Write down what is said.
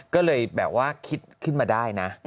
ก็เลยแบบว่าคิดขึ้นมาได้นะ